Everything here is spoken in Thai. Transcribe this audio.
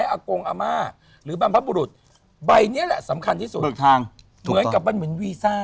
เวลาจะก่อนที่จะเผาทุกสิ่งทุกอย่าง